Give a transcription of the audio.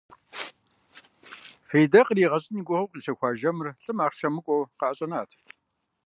Фейдэ къригъэщӀын и гугъэу къищэхуа жэмыр лӀым ахъшэ мыкӀуэу къыӀэщӀэнат.